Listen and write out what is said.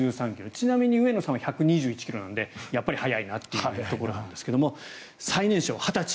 ちなみに上野さんは１２１ｋｍなので速いなというところなんですが最年少、２０歳。